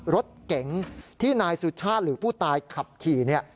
รถเก๋งที่นายสุชาติหรือผู้ตายขับขี่เนี่ย